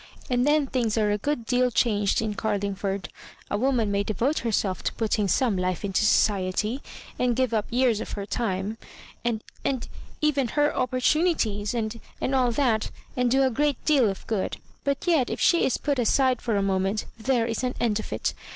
And then things are a go^ deal chEinged in Garling ford. A woman may devote herself to putting some life into society, and give up years of her time, and — and even her opportunities and all that — ^and do a great deal of good ; but yet if she is put aside for a moment, there is an end of it.